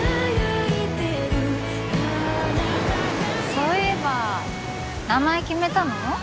そういえば名前決めたの？